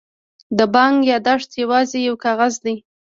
د بانک یادښت یوازې یو کاغذ دی.